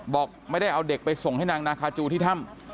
บอกไม่ได้เอาเด็กไปส่งให้นางนาคาจูที่ถ้ำ